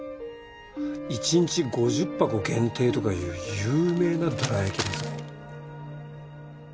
一日５０箱限定とかいう有名などら焼きだぞ。